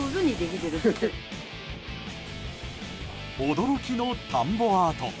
驚きの田んぼアート。